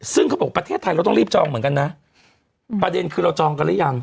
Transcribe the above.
ซึ่งเขาบอกประเทศไทยเราต้องรีบจองเหมือนกันนะประเด็นคือเราจองกันหรือยัง